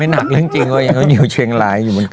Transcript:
นักใช่หรออยู่เชียงรายอยู่บนเขา